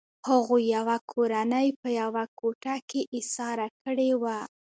هغوی یوه کورنۍ په یوه کوټه کې ایساره کړې وه